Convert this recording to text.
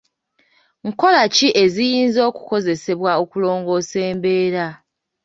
Nkola ki eziyinza okukozesebwa okulongoosa embeera?